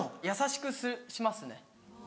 優しくしますね